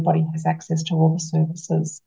karena tidak semua orang memiliki akses